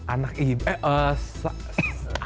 anak ibu eh eh